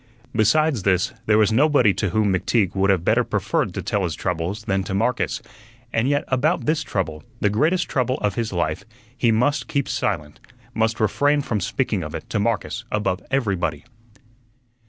Besides this, there was nobody to whom McTeague would have better preferred to tell his troubles than to Marcus, and yet about this trouble, the greatest trouble of his life, he must keep silent; must refrain from speaking of it to Marcus above everybody.